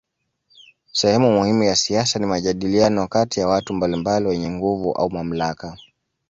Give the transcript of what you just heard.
Sehemu muhimu ya siasa ni majadiliano kati ya watu mbalimbali wenye nguvu au mamlaka.